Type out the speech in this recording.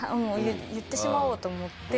言ってしまおうと思って。